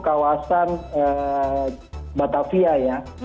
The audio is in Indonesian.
kawasan batavia ya